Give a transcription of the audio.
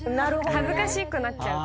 恥ずかしくなっちゃう。